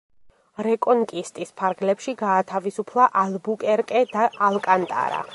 რეკონკისტის ფარგლებში გაათავისუფლა ალბუკერკე და ალკანტარა.